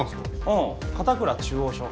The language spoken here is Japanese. うん片倉中央署。